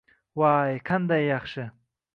Vay, qanday yaxshi